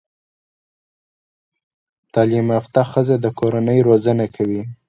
تعليم يافته ښځه د کورنۍ روزانه کوي